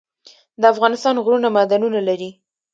د افغانستان غرونه معدنونه لري